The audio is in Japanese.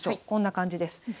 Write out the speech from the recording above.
こんな感じです。